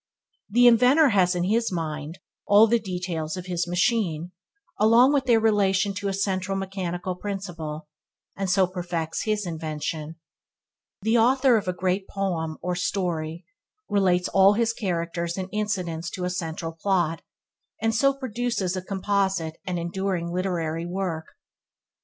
The inventor has in his mind all the details of his machine, along with their relation to a central mechanical principle, and so perfects his invention. The author of a great poem or story relates all his characters and incidents to a central plot, and so produces a composite and enduring literary work.